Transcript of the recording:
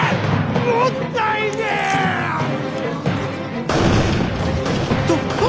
もったいねえ！と殿。